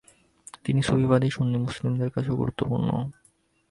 তিনি সুফিবাদী সুন্নি মুসলমানদের কাছেও গুরুত্বপূর্ণ।